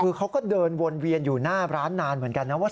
คือเขาก็เดินวนเวียนอยู่หน้าร้านนานเหมือนกันนะว่า